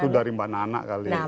itu dari mbak nana kali